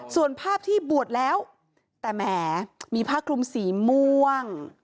ส่วนภาพที่บวชแล้วแต่แหมมีผ้าคลุมสีม่วง